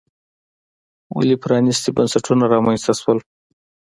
ولې پرانیستي بنسټونه رامنځته شول.